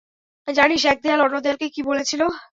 জানিস, এক দেয়াল অন্য দেয়ালকে কী বলেছিল?